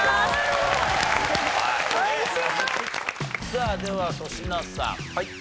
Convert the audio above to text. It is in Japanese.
さあでは粗品さん。